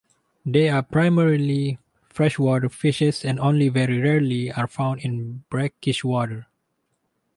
They are primarily freshwater fishes and only very rarely are found in brackish water.